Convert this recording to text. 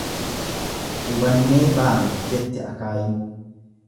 Gubannee baane, jette akaayiin.